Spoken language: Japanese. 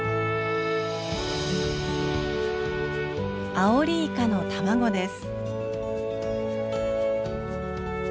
アオリイカの卵です。